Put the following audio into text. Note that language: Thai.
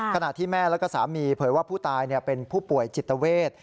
ขณะที่แม่แล้วก็สามีเผยว่าผู้ตายเป็นผู้ป่วยจิตเวท